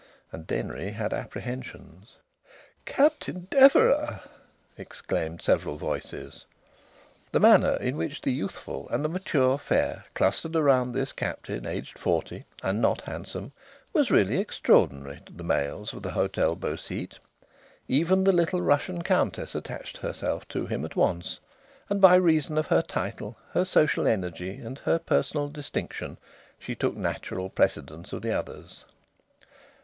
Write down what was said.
And Denry had apprehensions.... "Captain Deverax!" exclaimed several voices. The manner in which the youthful and the mature fair clustered around this Captain, aged forty (and not handsome) was really extraordinary, to the males of the Hôtel Beau Site. Even the little Russian Countess attached herself to him at once. And by reason of her title, her social energy, and her personal distinction, she took natural precedence of the others.